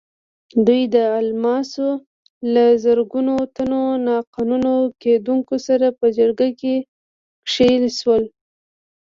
دوی د الماسو له زرګونو تنو ناقانونه کیندونکو سره په جګړه کې ښکېل شول.